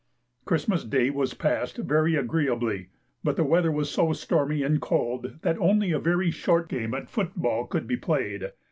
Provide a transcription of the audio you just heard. Christmas day was passed very agreeably, but the weather was so stormy and cold that only a very short game at foot ball could be played.